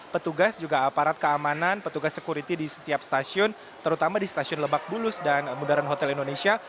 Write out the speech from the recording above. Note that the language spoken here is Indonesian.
petugas juga aparat keamanan petugas security di setiap stasiun terutama di stasiun lebak bulus dan bundaran hotel indonesia